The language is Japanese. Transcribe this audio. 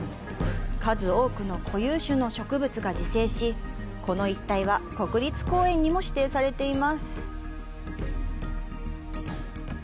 数多くの固有種の植物が自生し、この一帯は国立公園にも指定されています。